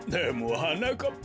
ははなかっぱ！